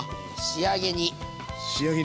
仕上げに。